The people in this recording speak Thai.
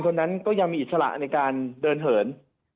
คนนั้นก็ยังมีอิสระในการเดินเหิน